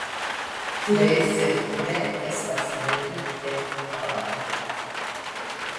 Plej sekure estas legi dek kvar.